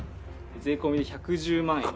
税込で１１０万円。